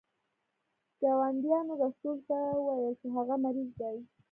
ګاونډیانو رسول ته وویل چې هغه مریض دی.